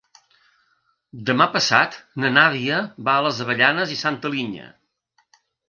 Demà passat na Nàdia va a les Avellanes i Santa Linya.